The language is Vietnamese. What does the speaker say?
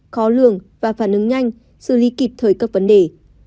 khó lường và phản ứng nhanh xử lý kịp thời các vấn đề